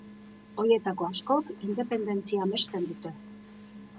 Horietako askok independentzia amesten dute.